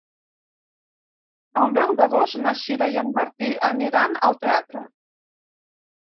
El deu d'agost na Sira i en Martí aniran al teatre.